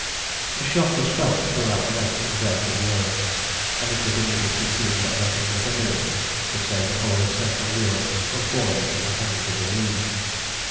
The shock was felt throughout the length and breadth of Europe, and it was immediately seen that nothing but a miracle could save the whole of Central Europe from falling into the hands of the League.